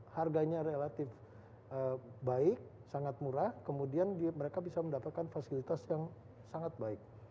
harganya relatif baik sangat murah kemudian mereka bisa mendapatkan fasilitas yang sangat baik